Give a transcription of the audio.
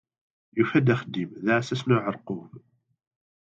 Yufa-d axeddim : d aɛessas n uɛerqub.